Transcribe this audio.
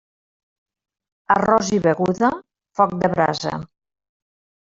Arròs i beguda, foc de brasa.